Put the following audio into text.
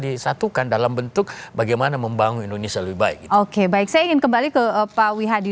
disatukan dalam bentuk bagaimana membangun indonesia lebih baik oke baik saya ingin kembali ke pak wihadi